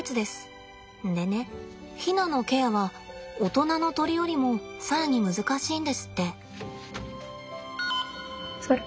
でねヒナのケアは大人の鳥よりも更に難しいんですって。